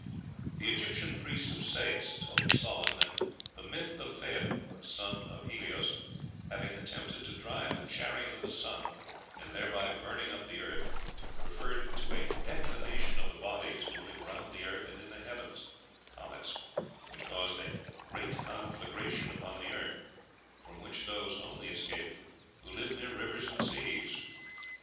The Egyptian priest of Sais told Solon that the myth of Phaëthon, the son of Helios, having attempted to drive the chariot of the sun, and thereby burning up the earth, referred to "a declination of the bodies moving round the earth and in the heavens" (comets), which caused a "great conflagration upon the earth," from which those only escaped who lived near rivers and seas.